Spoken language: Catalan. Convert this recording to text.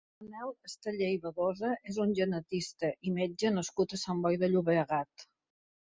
Manel Esteller i Badosa és un genetista i metge nascut a Sant Boi de Llobregat.